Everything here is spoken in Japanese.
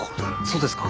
そうですか。